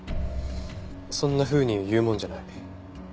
そんなふうに言うもんじゃない。